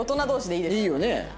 いいよね。